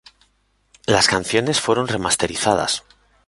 Las canciones fueron remasterizadas.